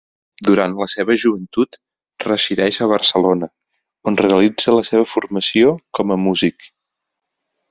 Durant la seva joventut resideix a Barcelona on realitza la seva formació com a músic.